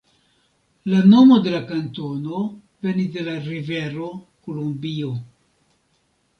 La nomo de la kantono venis de la rivero Kolumbio.